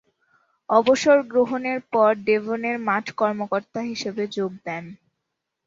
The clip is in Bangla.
অবসর গ্রহণের পর ডেভনের মাঠ কর্মকর্তা হিসেবে যোগ দেন।